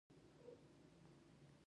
امیر صېب ته ما وې " نن دې ناوخته کړۀ "